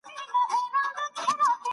پښتو ژبه زموږ د کلتوري میراث یوه برخه ده